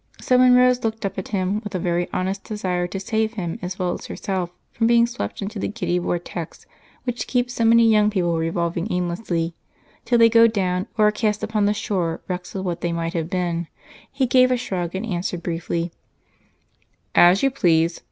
So when Rose looked up at him, with a very honest desire to save him as well as herself from being swept into the giddy vortex which keeps so many young people revolving aimlessly, till they go down or are cast upon the shore, wrecks of what they might have been, he gave a shrug and answered briefly: "As you please.